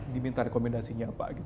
diminta rekomendasinya pak